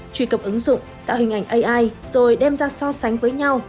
truy cập ứng dụng tạo hình ảnh ai rồi đem ra so sánh với nhau